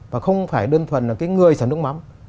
và không phải đơn thuần là cái người sản xuất nước mắm